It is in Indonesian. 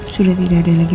sudah tidak ada lagi